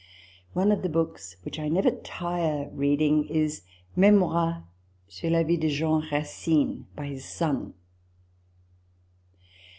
One of the books which I never tire reading is " Memoires sur la Vie de Jean Racine,"* by his son.